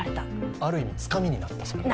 ある意味つかみになった。